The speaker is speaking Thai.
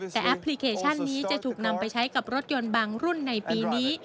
แต่แอปพลิเคชันนี้จะถูกนำไปใช้กับรถยนต์บางรุ่นในปีนี้